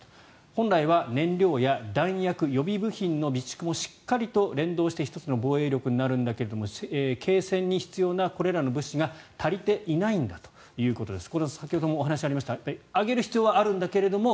本来は燃料や弾薬予備部品の備蓄もしっかりと連動して１つの防衛力になるんだけれども継戦に必要なこれらの物資が足りていないんだということです。